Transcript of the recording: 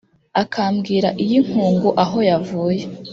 Akambwira iy’inkungu aho yavuye